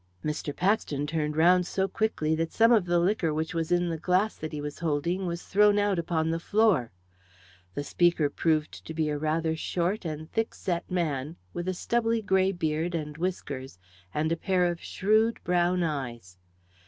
Mr. Paxton turned round so quickly that some of the liquor which was in the glass that he was holding was thrown out upon the floor. The speaker proved to be a rather short and thick set man, with a stubbly grey beard and whiskers, and a pair of shrewd, brown eyes.